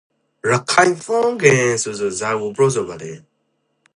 ရခိုင်သင်္ကြန်ဆိုစွာဇာကို ပြောစွာပါလေ?